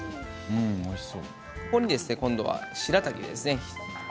ここにですね、しらたきですね。